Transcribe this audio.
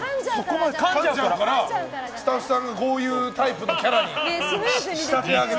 かんじゃうからスタッフさんがこういうタイプのキャラに仕立て上げて。